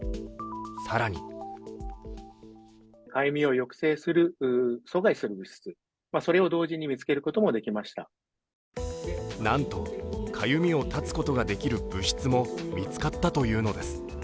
更になんと、かゆみを断つことができる物質も見つかったというのです。